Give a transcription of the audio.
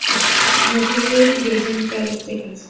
Nació en Lubbock y creció en Dallas, Texas.